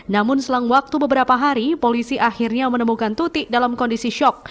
namun selang waktu beberapa hari polisi akhirnya menemukan tuti dalam kondisi syok